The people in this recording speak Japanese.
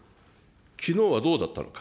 きのうはどうだったのか。